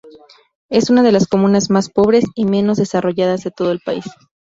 Es una de las comunas más pobres y menos desarrolladas de todo el país.